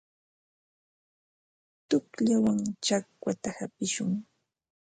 Tuqllawan chakwata hapishun.